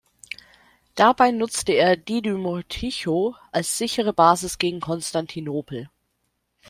Dabei nutzte er Didymoticho als sichere Basis gegen Konstantinopel.